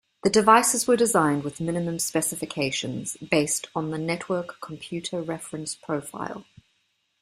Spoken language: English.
The devices were designed with minimum specifications, based on the Network Computer Reference Profile.